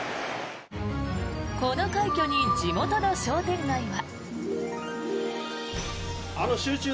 この快挙に地元の商店街は。